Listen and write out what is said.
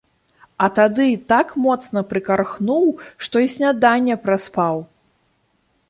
А тады так моцна прыкархнуў, што й сняданне праспаў.